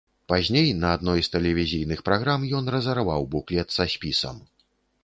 Пазней, на адной з тэлевізійных праграм ён разарваў буклет са спісам.